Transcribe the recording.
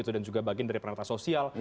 dan juga bagian dari perantara sosial